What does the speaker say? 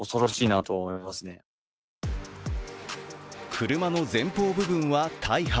車の前方部分は大破。